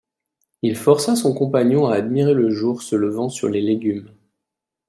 Il força son compagnon à admirer le jour se levant sur les légumes.